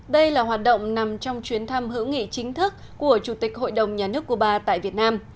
đây là hoạt động nằm trong chuyến thăm hữu nghị chính thức của chủ tịch hội đồng nhà nước cuba tại việt nam